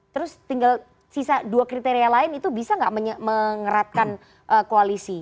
terus tinggal sisa dua kriteria lain itu bisa nggak mengeratkan koalisi